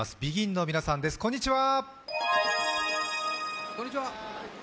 ＢＥＧＩＮの皆さんです、こんにちは。